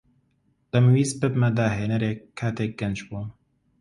دەمویست ببمە داھێنەرێک کاتێک گەنج بووم.